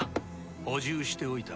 補充しておいた。